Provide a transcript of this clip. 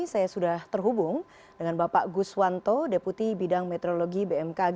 saya sudah terhubung dengan bapak guswanto deputi bidang meteorologi bmkg